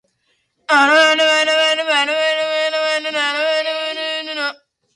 The town is located at the mouth of the Irwin River.